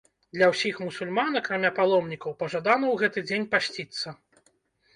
Для ўсіх мусульман, акрамя паломнікаў, пажадана ў гэты дзень пасціцца.